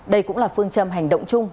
đây cũng là phương trầm hành động chung